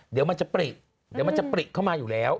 เดี๋ยวมันจะปริเดี๋ยวมันจะปริเข้ามาอยู่แล้ว